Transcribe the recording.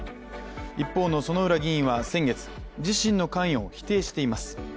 一方の薗浦議員は先月自身の関与を否定しています。